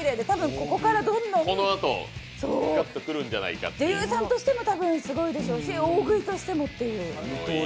ここからどんどん女優さんとしても多分すごいでしょうし、大食いとしてもという。